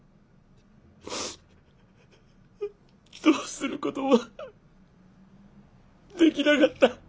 どうすることもできなかった。